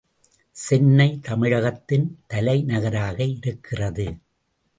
சென்னை தமிழகத்தின் தலை நகராக இருக்கிறது.